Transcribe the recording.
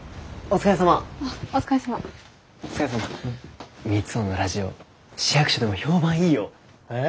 三生のラジオ市役所でも評判いいよ。え？